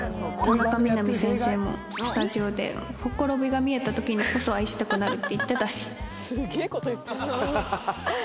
田中みな実先生もスタジオでほころびが見えた時にこそ愛したくなるって言ってたし